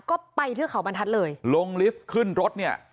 ก็ไปเทือกเขาบรรทัศน์เลยลงลิฟต์ขึ้นรถเนี่ย